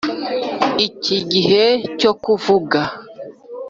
iki gihe cyo kuvuga